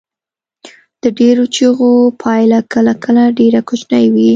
د ډیرو چیغو پایله کله کله ډیره کوچنۍ وي.